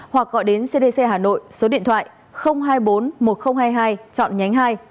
hoặc gọi đến cdc hà nội số điện thoại hai mươi bốn một nghìn hai mươi hai chọn nhánh hai